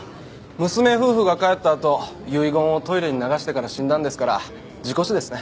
娘夫婦が帰ったあと遺言をトイレに流してから死んだんですから事故死ですね。